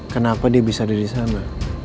kenapa dia bisa ada disana